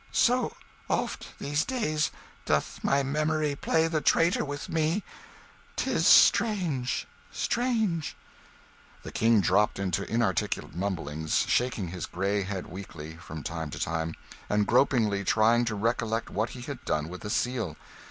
... So oft these days doth my memory play the traitor with me. ... 'tis strange, strange " The King dropped into inarticulate mumblings, shaking his grey head weakly from time to time, and gropingly trying to recollect what he had done with the Seal.